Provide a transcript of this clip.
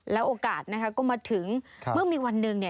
แล้วโอกาสก็มาถึงเมื่อมีวันหนึ่ง